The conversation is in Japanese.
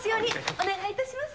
お願いいたします。